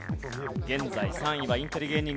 現在３位はインテリ芸人軍団。